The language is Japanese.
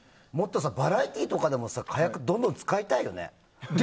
バラエティーとかでも火薬をどんどん使いたいよね。